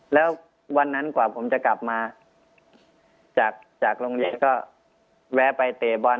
แล้ววันนั้นกว่าผมจะกลับมาจากโรงเรียนก็แวะไปเตะบอล